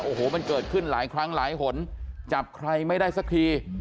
โอ้โหมันเกิดขึ้นหลายครั้งหลายหนจับใครไม่ได้สักที